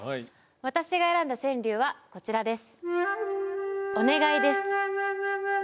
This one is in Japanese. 私が選んだ川柳はこちらです。